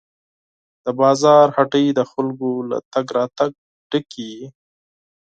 د بازار هټۍ د خلکو له تګ راتګ ډکې وې.